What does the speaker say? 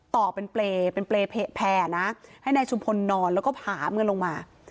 ต่อเป็นเปร่ให้นายชุมพลนอนแล้วก็หามกันลงมา